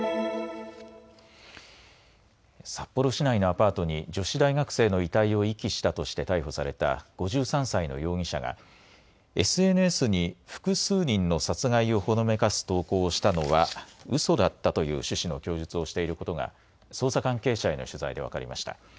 札幌市内のアパートに女子大学生の遺体を遺棄したとして逮捕された５３歳の容疑者がＳＮＳに複数人の殺害をほのめかす投稿をしたのはうそだったという趣旨の供述をしていることが捜査関係者への取材で分かりました。